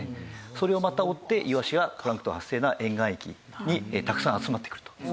それをまた追ってイワシはプランクトン発生な沿岸域にたくさん集まってくると。